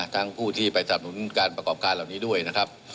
ผู้ที่ไปสับหนุนการประกอบการเหล่านี้ด้วยนะครับ